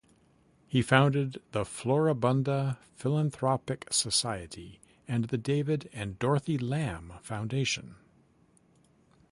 He founded the Floribunda Philanthropic Society, and the David and Dorothy Lam Foundation.